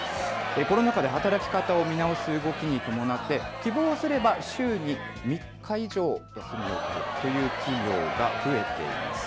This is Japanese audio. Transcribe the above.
コロナ禍で働き方を見直す動きに伴って希望すれば週に３日以上、休みを取るという企業が増えています。